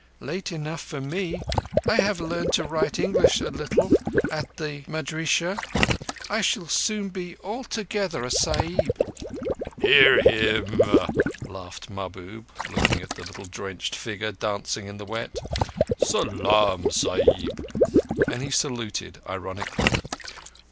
"Late enough for me. I have learned to read and to write English a little at the madrissah. I shall soon be altogether a Sahib." "Hear him!" laughed Mahbub, looking at the little drenched figure dancing in the wet. "Salaam—Sahib," and he saluted ironically.